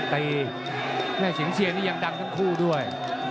แม่เสียงเชียร์นี่ยังดังทั้งคู่ด้วย